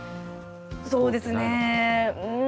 そうですねうん。